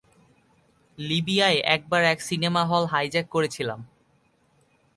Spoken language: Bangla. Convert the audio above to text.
লিবিয়ায় একবার এক সিনেমা হল হাইজ্যাক করেছিলাম।